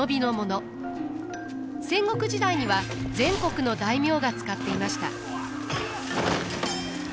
戦国時代には全国の大名が使っていました。